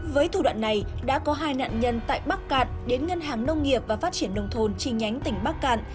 với thủ đoạn này đã có hai nạn nhân tại bắc cạn đến ngân hàng nông nghiệp và phát triển nông thôn chi nhánh tỉnh bắc cạn